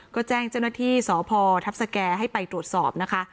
ก็แจ้งเจ้าหน้าที่สพทัพสแก่ให้ไปตรวจสอบนะคะ